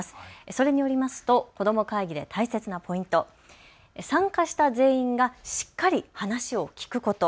それによりますと子ども会議で大切なポイント、参加した全員がしっかり話を聴くこと。